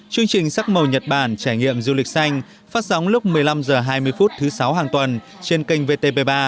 chương trình sắc màu nhật bản trải nghiệm du lịch xanh phát sóng lúc một mươi năm h hai mươi phút thứ sáu hàng tuần trên kênh vtp ba